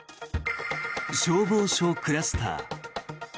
消防署クラスター。